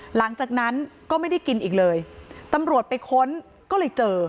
หลังจากนั้นก็ไม่ได้กินอีกเลยตำรวจไปค้นก็เลยเจอ